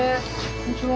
・こんにちは。